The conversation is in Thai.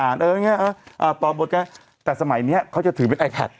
อ่านเอออย่างเงี้ยเออเออตอบทไงแต่สมัยเนี้ยเขาจะถือเป็นไอแพท